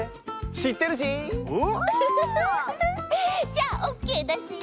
じゃあオッケーだし！